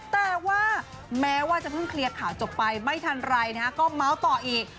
แต่ว่าแม้ว่าจะเพิ่งเคลียร์ข่าวจบไปไม่ทันไรนะฮะก็เมาส์ต่ออีก